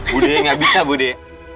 budi gak bisa budi